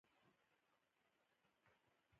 ملګري راټول کړه سبا ميله ده.